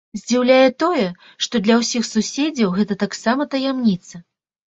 Здзіўляе тое, што для ўсіх суседзяў гэта таксама таямніца.